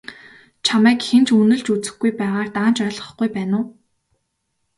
Чамайг хэн ч үнэлж үзэхгүй байгааг даанч ойлгохгүй байна уу?